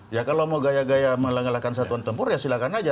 ya kalau mau gaya gaya mengalahkan satuan tempur ya silahkan aja